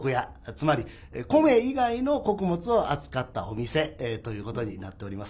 つまり米以外の穀物を扱ったお店ということになっております。